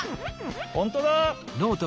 ほんとだ！